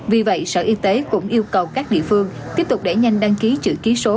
vì vậy sở y tế cũng yêu cầu các địa phương tiếp tục đẩy nhanh đăng ký chữ ký số